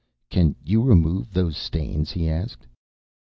"Can you remove those stains?" he asked.